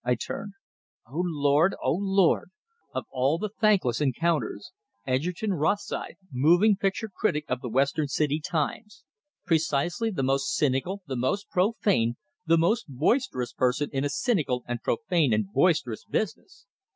I turned. Oh, Lord! Oh, Lord! Of all the thankless encounters Edgerton Rosythe, moving picture critic of the Western City "Times." Precisely the most cynical, the most profane, the most boisterous person in a cynical and profane and boisterous business!